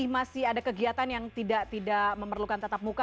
masih ada kegiatan yang tidak memerlukan tetap muka